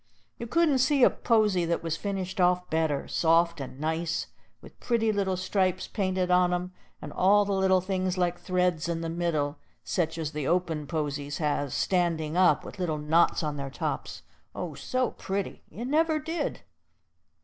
You couldn't see a posy that was finished off better, soft and nice, with pretty little stripes painted on 'em, and all the little things like threads in the middle, sech as the open posies has, standing up, with little knots on their tops, oh, so pretty, you never did!